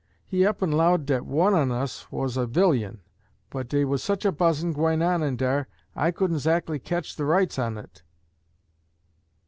"He up en low'd dat one un us wus a vilyun but dey wuz such a buzzin' gwine on in dar dat I couldn't 'zactly ketch the rights un it."